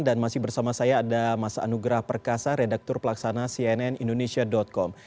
dan masih bersama saya ada mas anugrah perkasa redaktur pelaksana cnn indonesia com